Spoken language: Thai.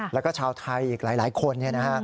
แล้วก็ชาวไทยอีกหลายคนเนี่ยนะฮะ